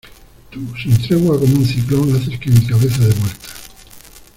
Tú, sin tregua como un ciclón, haces que mi cabeza dé vueltas